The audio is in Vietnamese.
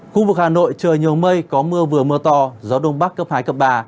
khu vực hà nội trời nhiều mây có mưa vừa mưa to gió đông bắc cấp hai cấp ba